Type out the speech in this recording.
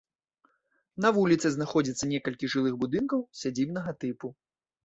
На вуліцы знаходзіцца некалькі жылых будынкаў сядзібнага тыпу.